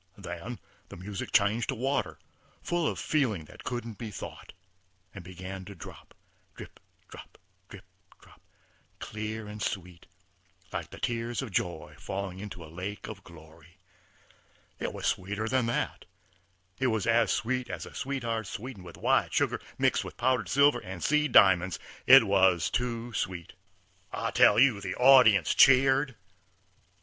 Then the music changed to water, full of feeling that couldn't be thought, and began to drop drip, drop drip, drop, clear and sweet, like tears of joy falling into a lake of glory. It was sweeter than that. It was as sweet as a sweet heart sweetened with white sugar mixed with powdered silver and seed diamonds. It was too sweet. I tell you the audience cheered.